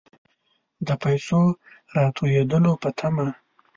د پیسو راتوېدلو په طمع.